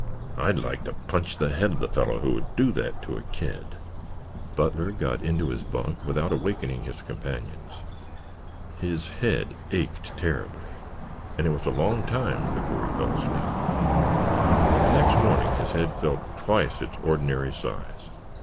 "I'd like to punch the head of the fellow who would do that to a kid!" Butler got into his bunk without awakening his companions. His head ached terribly, and it was a long time before he fell asleep. The next morning his head felt twice its ordinary size.